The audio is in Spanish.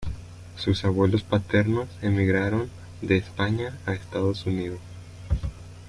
Sus abuelos paternos emigraron de España a Estados Unidos.